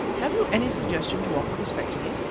Have you any suggestion to offer respecting it?"